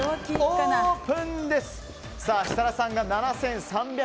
設楽さんが７３００円。